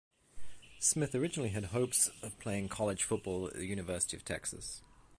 Smith originally had hopes of playing college football at the University of Texas.